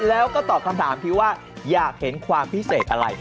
แล้วก็ตอบคำถามที่ว่าอยากเห็นความพิเศษอะไร